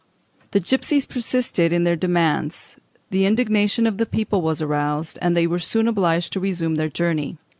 The gipsies persisted in their demands, the indignation of the people was aroused, and they were soon obliged to resume their journey.